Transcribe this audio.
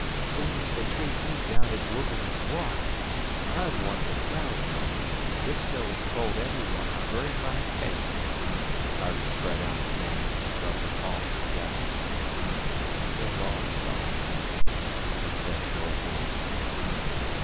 "Same as they treat me down at Wouverman's wharf. I'm one of the crowd now. Disko has told every one I've earned my pay." Harvey spread out his hands and rubbed the palms together. "They're all soft again," he said dolefully.